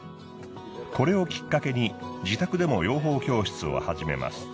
これをきっかけに自宅でも養蜂教室を始めます。